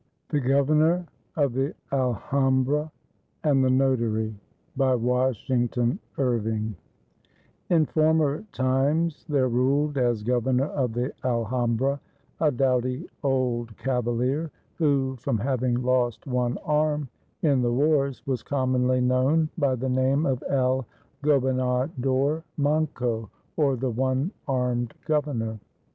THE GOVERNOR OF THE ALHAMBRA AND THE NOTARY BY WASHINGTON IRVING In former times there ruled, as governor of the Alham bra, a doughty old cavaHer, who, from having lost one arm in the wars, was commonly known by the name of el Gobernador Manco, or "the one armed governor."